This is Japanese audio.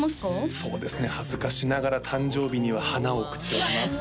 そうですね恥ずかしながら誕生日には花を贈っております